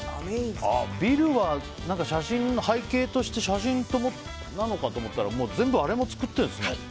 ビルは背景として写真なのかと思ったら全部、あれも作ってるんですね。